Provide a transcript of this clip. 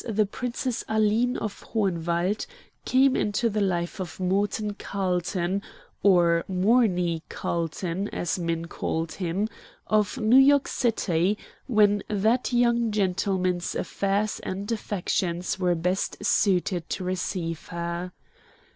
the Princess Aline of Hohenwald came into the life of Morton Carlton or "Morney" Carlton, as men called him of New York city, when that young gentleman's affairs and affections were best suited to receive her.